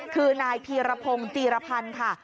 คือนายพีรพงศ์จีรพันธ์ค่ะ